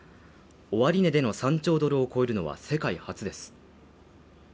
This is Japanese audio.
終値での３兆ドルを超えるのは世界初です。